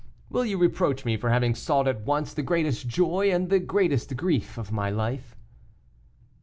Will you reproach me for having sought at once the greatest joy and the greatest grief of my life?"